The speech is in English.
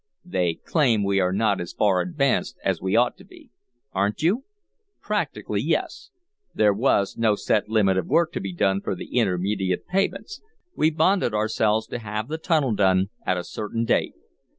"They claim we are not as far advanced as we ought to be." "Aren't you?" "Practically, yes. There was no set limit of work to be done for the intermediate payments. We bonded ourselves to have the tunnel done at a certain date.